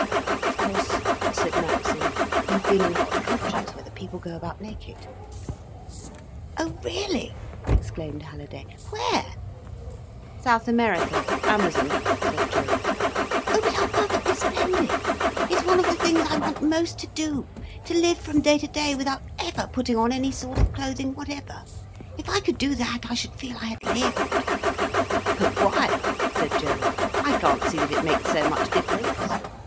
"Of course," said Maxim, "you've been in hot countries where the people go about naked." "Oh really!" exclaimed Halliday. "Where?" "South America—Amazon," said Gerald. "Oh but how perfectly splendid! It's one of the things I want most to do—to live from day to day without ever putting on any sort of clothing whatever. If I could do that, I should feel I had lived." "But why?" said Gerald. "I can't see that it makes so much difference."